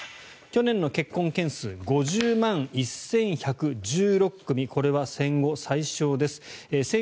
去年の結婚件数５０万１１１６組これは戦後最少です。